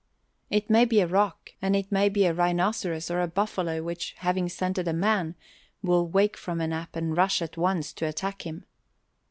It may be a rock and it may be a rhinoceros or a buffalo which, having scented a man, will wake from a nap and rush at once to attack him.